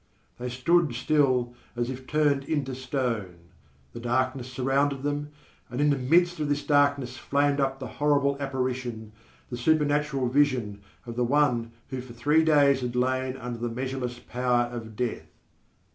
_ They stood still as if turned into stone. The darkness surrounded them, and in the midst of this darkness flamed up the horrible apparition, the supernatural vision, of the one who for three days had lain under the measureless power of death.